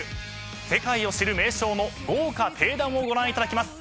世界を知る名将の豪華鼎談をご覧いただきます。